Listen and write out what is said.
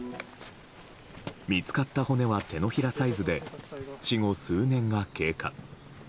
見つかった骨は手のひらサイズで死後数年が経過。